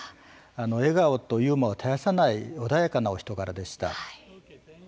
笑顔とユーモアを絶やさない穏やかなお人柄でした。